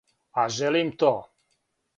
А желим то.